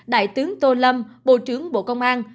đại tướng tô lâm bộ trưởng bộ công an